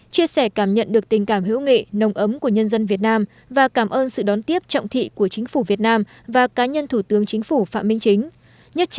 chia sẻ cảm nhận được tình cảm hữu nghị nồng ấm của nhân dân việt nam và cảm ơn sự đón tiếp trọng thị của chính phủ việt nam và cá nhân thủ tướng chính phủ phạm minh chính